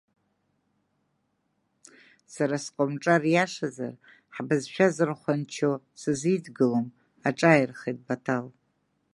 Сара скомҿар иашазар, ҳбызшәа зырхәанчо сызидгылом, аҿааирхеит Баҭал.